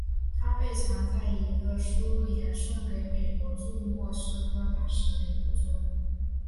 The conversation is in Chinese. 它被藏在一个苏联送给美国驻莫斯科大使的礼物中。